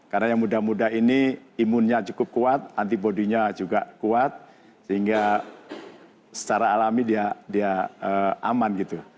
karena yang muda muda ini imunnya cukup kuat antibody nya juga kuat sehingga secara alami dia aman gitu